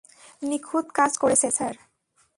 নিখুঁত কাজ করেছে, স্যার।